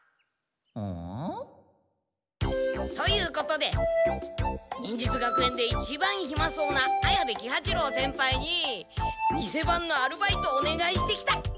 ん？ということで忍術学園でいちばんヒマそうな綾部喜八郎先輩に店番のアルバイトおねがいしてきた。